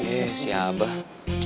eh si abah